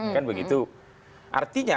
kan begitu artinya